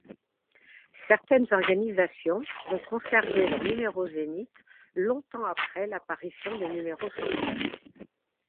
Certaines organisations ont conservé leurs numéros Zénith longtemps après l'apparition des numéros sans frais.